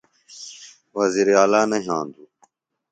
وزیر اعلا نہ یھاندوۡ۔